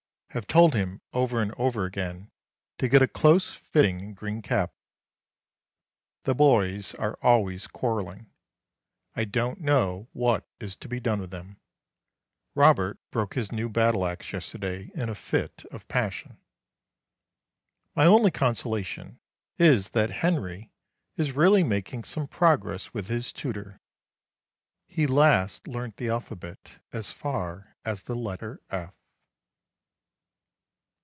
Have told him over and over again to get a close fitting green cap. The boys are always quarrelling. I don't know what is to be done with them. Robert broke his new battle axe yesterday in a fit of passion. My only consolation is that Henry is really making some progress with his tutor. He last learnt the alphabet as far as the letter F.